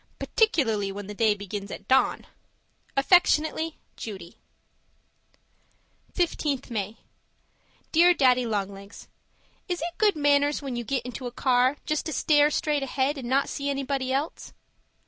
Particularly when the day begins at dawn. Affectionately, Judy 15th May Dear Daddy Long Legs, Is it good manners when you get into a car just to stare straight ahead and not see anybody else?